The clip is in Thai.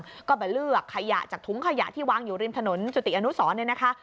แล้วก็ไปเลือกขยะจากถุงขยะที่วางอยู่ริมถนนจุติอนุสรเนี่ยนะคะ